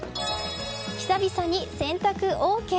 久々に洗濯ＯＫ。